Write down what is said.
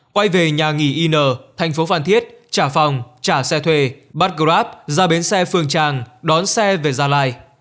quay về nhà nghỉ in thành phố phan thiết trà phòng trả xe thuê bắt grab ra bến xe phương tràng đón xe về gia lai